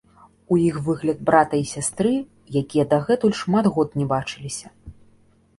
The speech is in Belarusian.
У іх выгляд брата і сястры, якія дагэтуль шмат год не бачыліся.